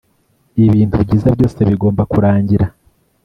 ibintu byiza byose bigomba kurangira